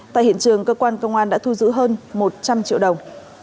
tại hiện trường cơ quan công an đã thu giữ hơn một trăm linh triệu đồng